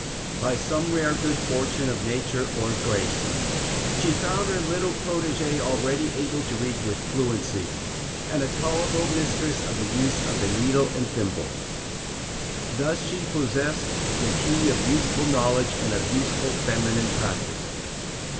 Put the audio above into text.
By some rare good fortune of nature or of grace, she found her little protégée already able to read with fluency, and a tolerable mistress of the use of the needle and thimble. Thus she possessed the key of useful knowledge and of useful feminine practice.